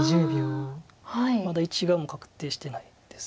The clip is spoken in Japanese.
まだ１眼も確定してないんです。